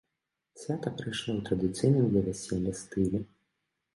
Свята прайшло ў традыцыйным для вяселля стылі.